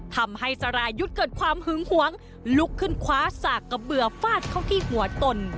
ทำให้สรายุทธ์เกิดความหึงหวงลุกขึ้นคว้าสากกระเบื่อฟาดเข้าที่หัวตน